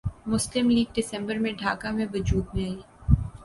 مسلم لیگ دسمبر میں ڈھاکہ میں وجود میں آئی